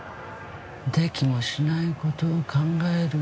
できもしない事を考える。